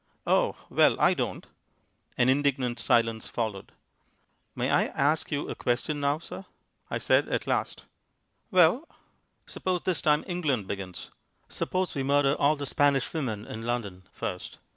"Oh! Well, I don't." An indignant silence followed. "May I ask you a question now, sir?" I said at last. "Well?" "Suppose this time England begins. Suppose we murder all the Spanish women in London first.